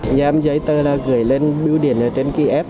nhà em giấy tờ là gửi lên biểu điện ở trên ký ép